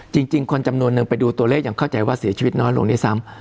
จริงคนจำนวนนึงไปดูตัวเลขอย่างเข้าใจว่าเสียชีวิตน้อยลงด้วยซ้ำ